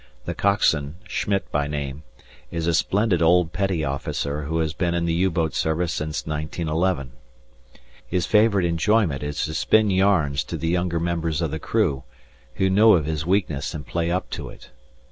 The coxswain, Schmitt by name, is a splendid old petty officer who has been in the U boat service since 1911. His favourite enjoyment is to spin yarns to the younger members of the crew, who know of his weakness and play up to it.